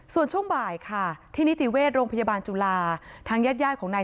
ส่วนช่วงบ่ายค่ะที่นิติเวชโรงพยาบาลจุฬาทางญาติญาติของนาย